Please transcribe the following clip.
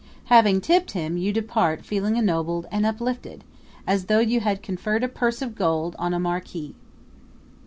Having tipped him you depart feeling ennobled and uplifted as though you had conferred a purse of gold on a marquis.